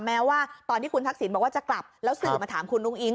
แม้ว่าตอนที่คุณทักษิณบอกว่าจะกลับแล้วสื่อมาถามคุณอุ้งอิง